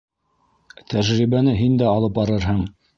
Тәжрибәне һин дә алып барырһың.